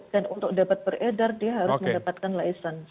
dan untuk dapat beredar dia harus mendapatkan licensi